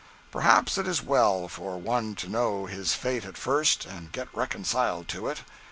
Perhaps it is well for one to know his fate at first, and get reconciled to it.